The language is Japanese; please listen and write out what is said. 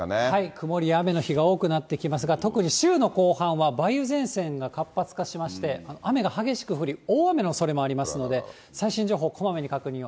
曇りや雨の日が多くなってきますが、特に週の後半は梅雨前線が活発化しまして、雨が激しく降り、大雨のおそれもありますので、最新情報、こまめに確認を。